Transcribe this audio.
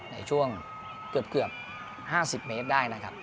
ในช่วงเกือบ๕๐เมตรได้นะครับ